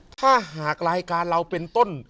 ถ้าหากรายการเราเป็นต้น